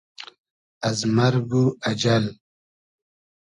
از مئرگ و اجئل